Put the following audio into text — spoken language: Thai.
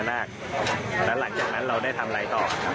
แล้วหลังจากนั้นเราได้ทำอะไรต่อครับ